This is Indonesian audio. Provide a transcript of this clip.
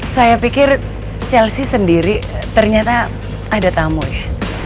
saya pikir chelsea sendiri ternyata ada tamu ya